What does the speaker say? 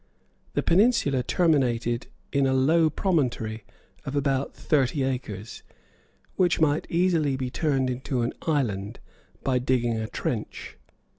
The peninsula terminated in a low promontory of about thirty acres, which might easily be turned into an island by digging a trench.